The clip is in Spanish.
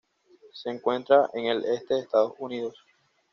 Se encuentra en el este de Estados Unidos.